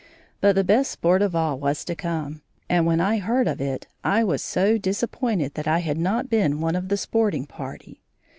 But the best sport of all was to come, and when I heard of it I was so disappointed that I had not been one of the sporting party.